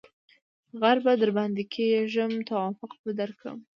ـ غر به درباندې کېږم توافق به درکړم.